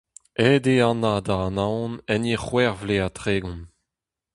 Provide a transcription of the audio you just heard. Aet eo Anna da anaon en he c'hwec'h vloaz ha tregont.